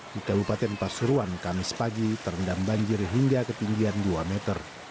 di kabupaten pasuruan kamis pagi terendam banjir hingga ketinggian dua meter